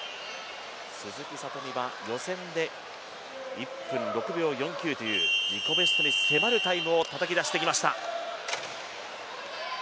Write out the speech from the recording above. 鈴木聡美は、予選で１分６秒４９という自己ベストに迫るタイムをたたき出してきました。